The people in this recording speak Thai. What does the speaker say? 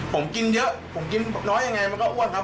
ผมกินเยอะผมกินน้อยยังไงมันก็อ้วนครับ